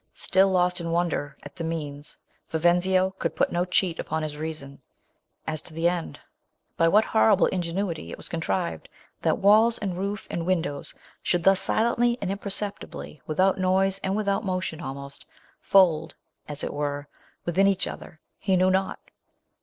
Stilllost in wonder at the means, Viven/io could put no cheat upon his reason, as to the end. By what horrible ingenuity it wa contrived, that walls, and roof, and windows, should thus silently and imperceptibly, without noise, and without motion almost, fold, as it were, within each other, he knew not.